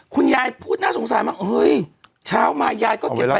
คุณยายพูดน่าสงสัยมากเฮ้ยเช้ามายายก็เก็บไป